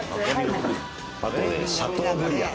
あとシャトーブリアン。